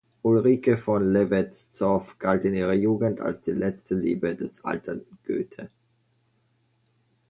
Ulrike von Levetzow galt in ihrer Jugend als die letzte Liebe des alternden Goethe.